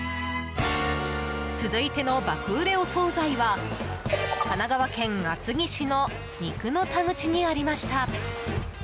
続いての爆売れお総菜は神奈川県厚木市の肉の田口にありました。